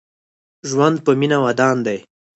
ژوند په مينه ودان دې